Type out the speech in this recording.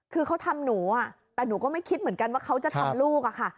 คือเขาทำหนูแต่หนูก็ไม่คิดเหมือนกันว่าเขาจะทำลูกอะค่ะ